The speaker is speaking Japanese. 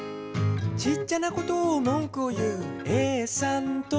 「ちっちゃなことをもんくを言うＡさんと」